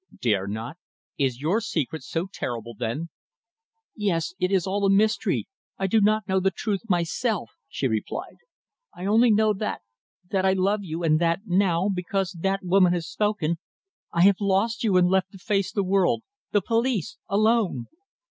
"Dare not? Is your secret so terrible, then?" "Yes. It is all a mystery. I do not know the truth myself," she replied. "I only know that I that I love you, and that now, because that woman has spoken, I have lost you and am left to face the world the police alone!"